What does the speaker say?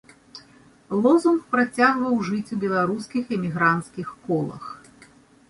Лозунг працягваў жыць у беларускіх эмігранцкіх колах.